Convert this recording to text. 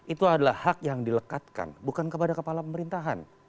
itu adalah hak yang dilekatkan bukan kepada kepala pemerintahan